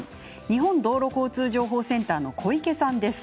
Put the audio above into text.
日本道路交通情報センターの小池さんです。